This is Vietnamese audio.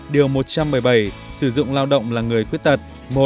điều một trăm bảy mươi bảy sử dụng lao động là người khuyết tật